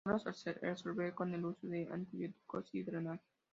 Se logra resolver con el uso de antibióticos y drenaje.